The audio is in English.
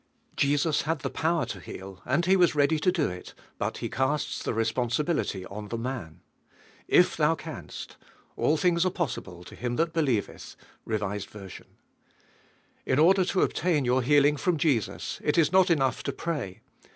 Jesus had the power to beal and He was ready to do it, but He casts the t'g s.pon.sihi| i ^ T on the man. "If thou canst. All things are possible to him that believe th" (H.V). In order to Obtain your healing from Jesus it is' not enough to pray.